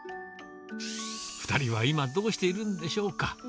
２人は今、どうしているんでしょうか。